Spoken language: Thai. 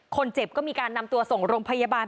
คนเจ็บก็มีการนำตัวส่งโรงพยาบาล